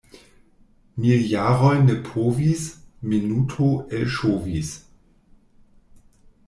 Miljaroj ne povis — minuto elŝovis.